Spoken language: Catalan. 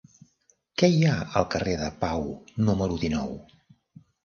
Què hi ha al carrer de Pau número dinou?